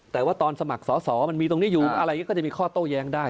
แต่ว่าตอนสมัครสอสอมันมีตรงนี้อยู่อะไรอย่างนี้ก็จะมีข้อโต้แย้งได้